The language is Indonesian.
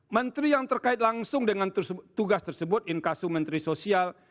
menteri yang terkait langsung dengan tugas tersebut inkasu menteri sosial